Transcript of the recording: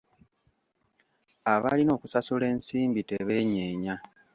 Abalina okusasula ensimbi tebeenyeenya.